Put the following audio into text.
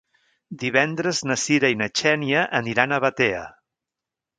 Divendres na Sira i na Xènia aniran a Batea.